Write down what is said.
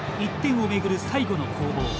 １点をめぐる最後の攻防。